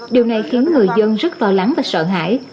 điều này khiến người dân rất lo lắng và sợ hãi